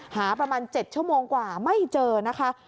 หาประมาณ๗ชั่วโมงกว่าไม่เจอนะคะ